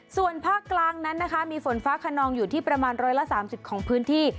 ส่วนภาคกลางนั้นนะคะมีฝนฟ้าขนองอยู่ที่ประมาณ๑๓๐ของพื้นที่